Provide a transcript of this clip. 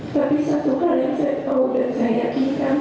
tapi satu hal yang saya tahu dan saya yakinkan